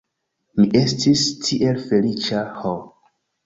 Mi estis tiel feliĉa ho!